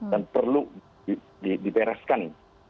dan perlu dibereskan